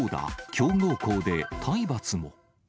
強豪校で体罰も。